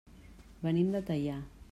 Venim de Teià.